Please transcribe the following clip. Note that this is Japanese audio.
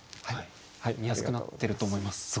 見やすくなってると思います